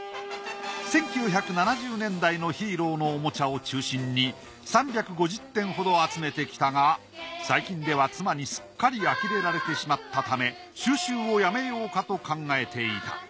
１９７０年代のヒーローのおもちゃを中心に３５０点ほど集めてきたが最近では妻にすっかり呆れられてしまったため収集をやめようかと考えていた。